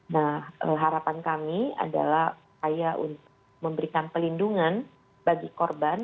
nah harapan kami adalah saya memberikan pelindungan bagi korban